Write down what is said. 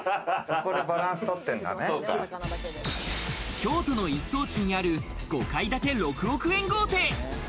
京都の一等地にある５階建て６億円豪邸。